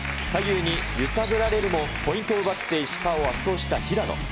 左右に揺さぶられるも、ポイントを奪って石川を圧倒した平野。